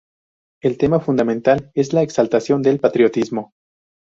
El tema fundamental es la exaltación del patriotismo.